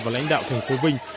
và lãnh đạo thành phố vinh